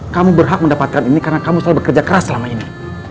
kamu berhak mendapatkan ini karena kamu selalu bekerja keras selama ini